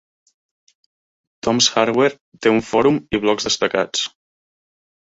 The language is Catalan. "Tom's Hardware" té un fòrum i blocs destacats.